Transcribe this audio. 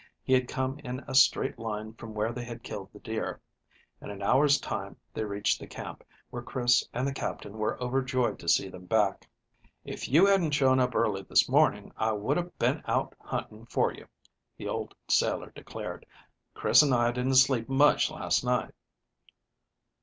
He had come in a straight line from where they had killed the deer. In an hour's time they reached the camp, where Chris and the Captain were overjoyed to see them back. "If you hadn't shown up early this morning I would have been out hunting for you," the old sailor declared. "Chris and I didn't sleep much last night."